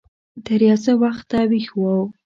تر يو څه وخته ويښ و.